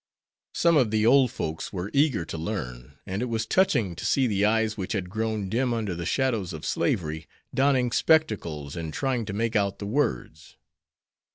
Some of the old folks were eager to learn, and it was touching to see the eyes which had grown dim under the shadows of slavery, donning spectacles and trying to make out the words.